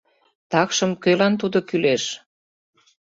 Такшым кӧлан тудо кӱлеш?